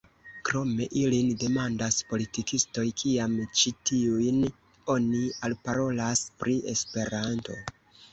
Krome ilin demandas politikistoj, kiam ĉi tiujn oni alparolas pri Esperanto.